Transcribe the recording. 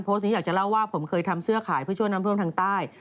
นี้อยากจะเล่าว่าผมเคยทำเสื้อขายเพื่อช่วยน้ำท่วมทางใต้